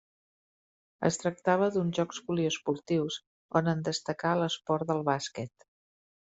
Es tractava d'uns jocs poliesportius, on en destacà l'esport del bàsquet.